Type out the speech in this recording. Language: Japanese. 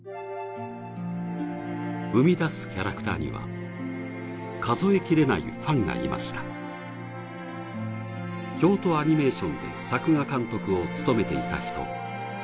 生みだすキャラクターには数え切れないファンがいました京都アニメーションで作画監督を務めていた人